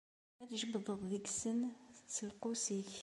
Ad tjebdeḍ deg-sen s lqus-ik.